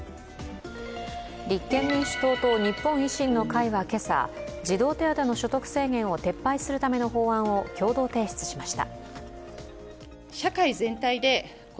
立憲民主党と日本維新の会は今朝、児童手当の所得制限を撤廃するための法案を共同提出しました。